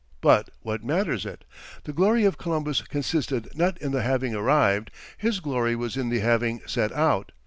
But what matters it? The glory of Columbus consisted not in the having arrived, his glory was in the having set out.